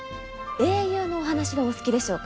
英雄のお話はお好きでしょうか？